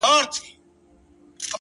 ته چي راغلې سپين چي سوله تور باڼه ـ